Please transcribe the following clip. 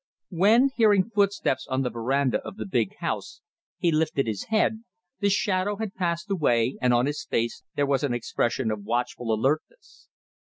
When, hearing footsteps on the verandah of the big house, he lifted his head, the shadow had passed away and on his face there was an expression of watchful alertness.